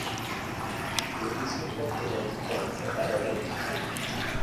Dirisa boto ya dipalo go araba dipotso.